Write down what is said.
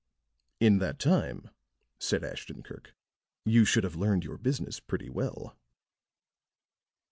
"In that time," said Ashton Kirk, "you should have learned your business pretty well."